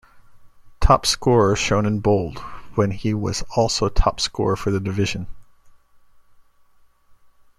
Top scorer shown in bold when he was also top scorer for the division.